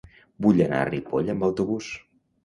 Vull anar a Ripoll amb autobús.